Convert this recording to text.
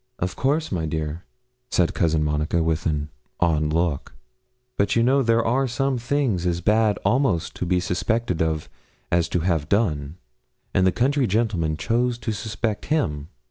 'Of course, my dear,' said Cousin Monica, with an odd look; 'but you know there are some things as bad almost to be suspected of as to have done, and the country gentlemen chose to suspect him.